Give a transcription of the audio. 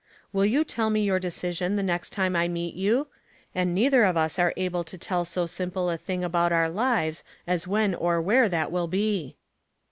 " Will you tell me your decision the next time I meet you? — and neither of us are able to tell so simple a thing about our lives as when or where that will be."